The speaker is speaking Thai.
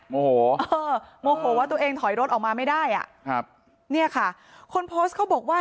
โมโหโมโหว่าตัวเองถอยรถออกมาไม่ได้นี่ค่ะคนโพสต์เขาบอกว่า